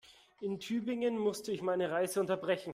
In Tübingen musste ich meine Reise unterbrechen